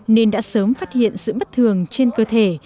nên đã sớm phát hiện sự bất thường trên cơ thể